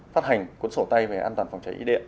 phát hành cuốn sổ tay về an toàn phòng cháy điện